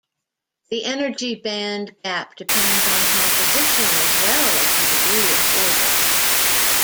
The energy band gap depends on composition as well as the degree of order.